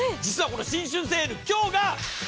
実はこの新春セール今日が。